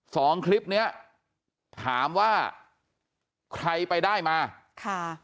สองคลิปเนี้ยถามว่าใครไปได้มาค่ะ